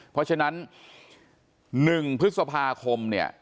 เพราะฉะนั้น๑พฤษภาคม